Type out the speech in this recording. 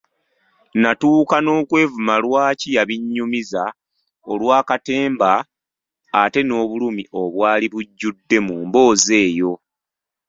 Natuuka n'okwevuma lwaki yabinnyumiza olwa katemba ate n'obulumi obwali bujjudde mu mboozi eyo.